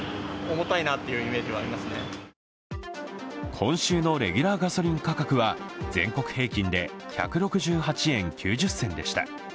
今週のレギュラーガソリン価格は全国平均で１６８円９０銭でした。